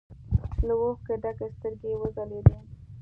له اوښکو ډکې سترګې يې وځلېدې.